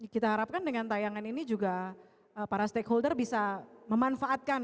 kita harapkan dengan tayangan ini juga para stakeholder bisa memanfaatkan